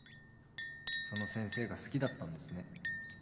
その先生が好きだったんですね。